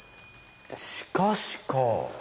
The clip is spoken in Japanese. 「しかし」かあ。